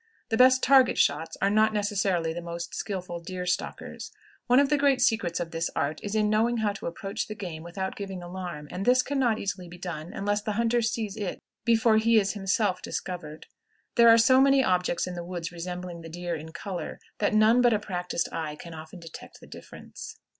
The best target shots are not necessarily the most skillful deer stalkers. One of the great secrets of this art is in knowing how to approach the game without giving alarm, and this can not easily be done unless the hunter sees it before he is himself discovered. There are so many objects in the woods resembling the deer in color that none but a practiced eye can often detect the difference.